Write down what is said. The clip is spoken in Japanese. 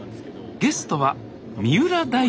ゲストは三浦大知さん